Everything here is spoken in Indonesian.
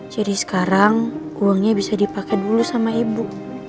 sekarang uangnya bisa dipakai dulu sama ibu